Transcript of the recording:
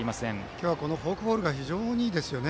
今日はフォークボールが非常にいいですよね。